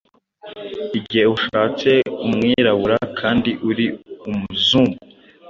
igihe ushatse umwirabura kandi uri umuzungu